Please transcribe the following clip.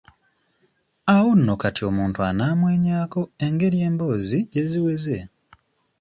Awo nno kati omuntu anaamwenyaako engeri emboozi gye ziweze.